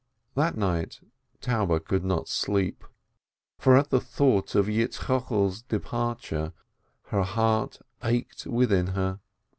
That night Taube could not sleep, for at the thought of Yitzchokel's departure the heart ached within her.